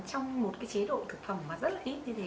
trong một cái chế độ thực phẩm mà rất là ít như thế